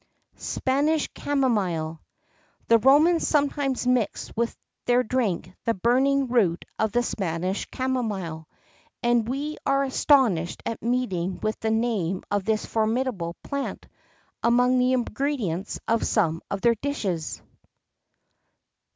[X 43] SPANISH CAMOMILE. The Romans sometimes mixed with their drink the burning root of the Spanish camomile;[X 44] and we are astonished at meeting with the name of this formidable plant among the ingredients of some of their dishes.